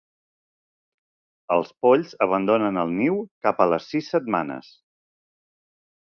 Els polls abandonen el niu cap a les sis setmanes.